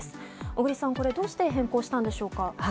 小栗さんどうして変更したのでしょうか。